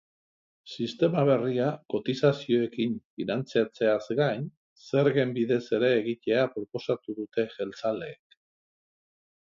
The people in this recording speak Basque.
Sistema berria kotizazioekin finantzatzeaz gain, zergen bidez ere egitea proposatu dute jeltzaleek.